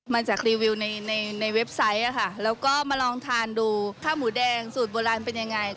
มาจากรีวิวในในเว็บไซต์แล้วก็มาลองทานดูข้าวหมูแดงสูตรโบราณเป็นยังไง